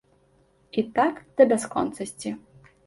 І так да бясконцасці.